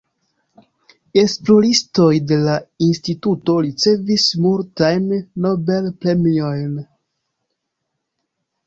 Esploristoj de la Instituto ricevis multajn Nobel-premiojn.